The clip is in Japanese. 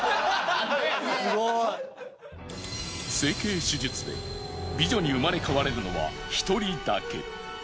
整形手術で美女に生まれ変われるのは１人だけ。